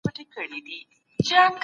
په بازار کي باید د بیو کنټرول وي.